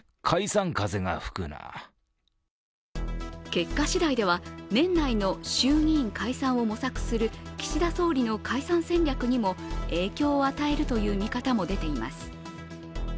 結果しだいでは、年内の衆議院解散を模索する岸田総理の解散戦略にも影響を与えるという見方も出ています。